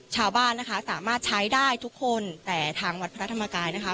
ชาวบ้านนะคะสามารถใช้ได้ทุกคนแต่ทางวัดพระธรรมกายนะคะ